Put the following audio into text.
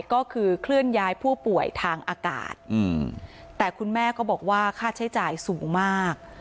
ก็คือเคลื่อนย้ายผู้ป่วยทางอากาศแต่คุณแม่ก็บอกว่าค่าใช้จ่ายสูงมาก